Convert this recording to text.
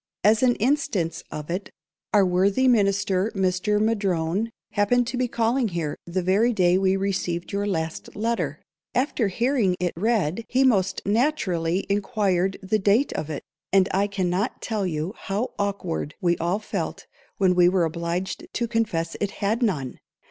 _ As an instance of it, our worthy minister, Mr M'Drone, happened to be calling here the very day we received your last letter. After hearing it read, he most naturally inquired the date of it; and I cannot tell you how awkward we all felt when we were obliged to confess it had _none!